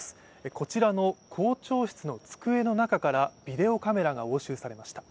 こちらの校長室の机の中からビデオカメラが押収されました。